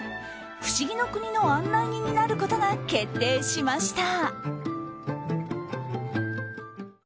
不思議の国の案内人になることが決定しました。